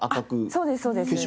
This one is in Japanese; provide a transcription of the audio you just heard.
そうですそうです。